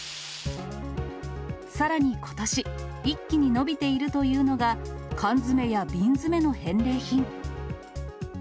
さらにことし、一気に伸びているというのが、缶詰や瓶詰の返礼品。